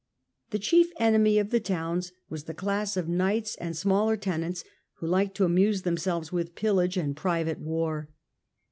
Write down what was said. The chief enemy of the towns was the class of knights and smaller tenants, who liked to amuse themselves with pillage and private war.